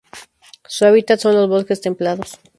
Su hábitat son los bosques templados.